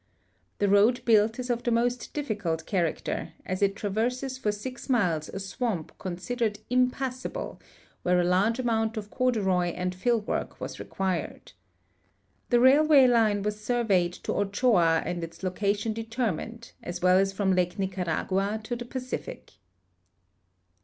The road built is of the most diffi cult character, as it traverses for 6 miles a swamp considered impassable, where a large amount of corduiw and fill work was re(|uired. The railwa}' line was surve}'ed to Ochoa and its loca tion determined, as well as from Lake Nicaragua to the Pacific.